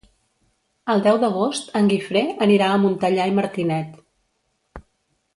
El deu d'agost en Guifré anirà a Montellà i Martinet.